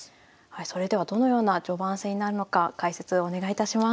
それではどのような序盤戦になるのか解説お願いいたします。